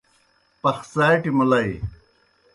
پَخڅاٹیْ مُلئی۔